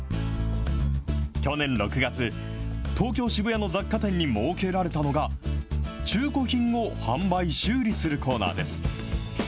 去年６月、東京・渋谷の雑貨店に設けられたのが、中古品を販売・修理するコーナーです。